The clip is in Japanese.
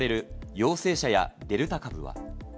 陽性者やデルタ株は。